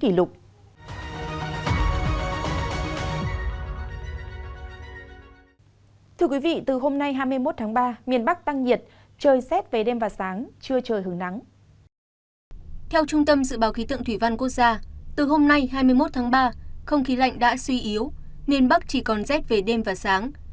theo trung tâm dự báo khí tượng thủy văn quốc gia từ hôm nay hai mươi một tháng ba không khí lạnh đã suy yếu miền bắc chỉ còn rét về đêm và sáng